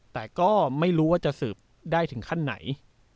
แต่ก็ไม่รู้ว่าจะสืบได้ถึงขั้นไหน